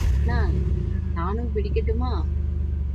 அண்ணா, நானும் பிடிக்கட்டுமா?